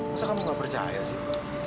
masa kamu gak percaya sih